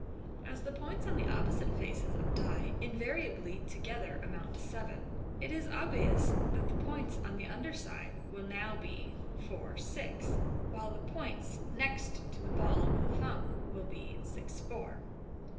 As the points on the opposite faces of a die invariably to gether amount to seven, it is obvious that the points on the under side will now be " four six," while the points next to the ball of the thumb wiii De '* six four."